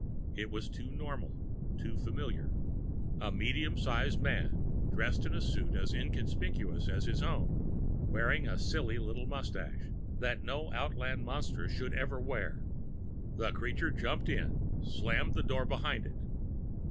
It was too normal too familiar. A medium sized man, dressed in a suit as inconspicuous as his own, wearing a silly little mustache that no outland monster should ever wear. The creature jumped in, slamming the door behind it.